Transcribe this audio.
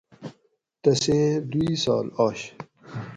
تسیں دو اِسال آش